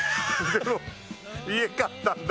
でも家買ったんだ？